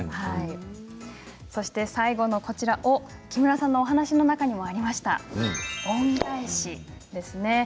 最後の「お」は木村さんのお話にもありました恩返しですね。